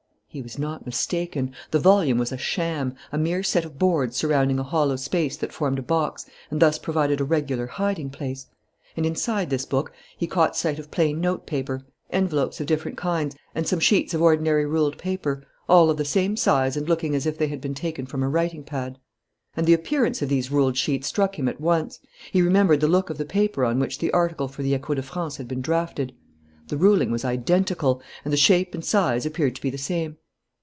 He was not mistaken. The volume was a sham, a mere set of boards surrounding a hollow space that formed a box and thus provided a regular hiding place; and, inside this book, he caught sight of plain note paper, envelopes of different kinds, and some sheets of ordinary ruled paper, all of the same size and looking as if they had been taken from a writing pad. And the appearance of these ruled sheets struck him at once. He remembered the look of the paper on which the article for the Echo de France had been drafted. The ruling was identical, and the shape and size appeared to be the same.